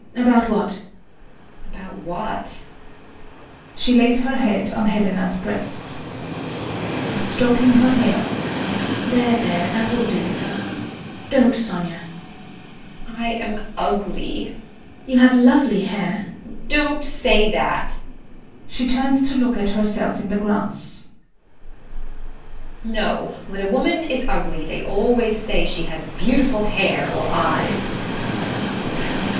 HELENA. About what? SONIA. About what? [She lays her head on HELENA'S breast.] HELENA. [Stroking her hair] There, there, that will do. Don't, Sonia. SONIA. I am ugly! HELENA. You have lovely hair. SONIA. Don't say that! [She turns to look at herself in the glass] No, when a woman is ugly they always say she has beautiful hair or eyes.